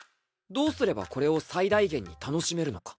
どうすればこれを最大限に楽しめるのか。